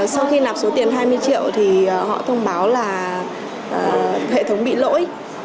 sau khi nạp số tiền hai mươi triệu thì họ thông báo là hệ thống bị lỗi